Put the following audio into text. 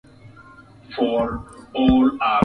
Mchelea mwana kulia hulia yeye